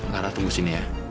lara tunggu sini ya